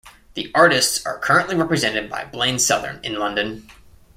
The artists are currently represented by BlainSouthern in London.